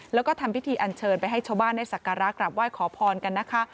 แล้วก็ทำพิธีอันเชิญไปให้ชาวบ้านได้สักการะกลับไหว้ขอพรกันนะคะ